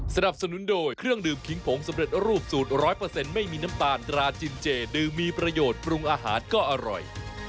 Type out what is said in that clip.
สนับสนุนโดยเครื่องดื่มขิงผงสำเร็จรูปสูตร๑๐๐ไม่มีน้ำตาลตราจินเจดื่มมีประโยชน์ปรุงอาหารก็อร่อย